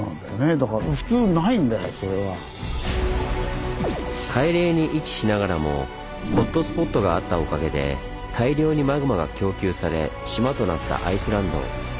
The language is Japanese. だから海嶺に位置しながらもホットスポットがあったおかげで大量にマグマが供給され島となったアイスランド。